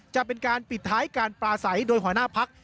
จะเป็นการปิดท้ายการปลาใสโดยหัวหน้าพัก